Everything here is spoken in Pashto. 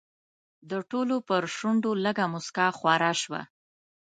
د ټولو پر شونډو لږه موسکا خوره شوه.